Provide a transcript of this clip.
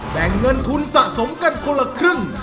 แบ่งเงินทุนสะสมกันคนละครึ่ง